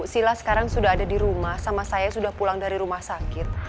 sila sekarang sudah ada di rumah sama saya sudah pulang dari rumah sakit